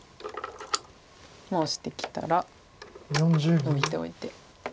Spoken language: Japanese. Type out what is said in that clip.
オシてきたらノビておいて。